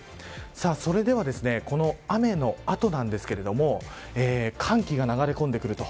それではこの雨の後なんですけれども寒気が流れ込んでくると。